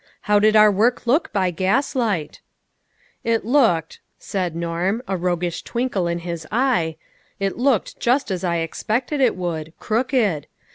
How did our work look by gaslight ?"" It looked," said Norm, a roguish twinkle in his eye, " it looked just as I expected it would ; crooked.